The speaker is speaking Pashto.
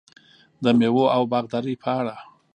د میوو او باغدارۍ په اړه: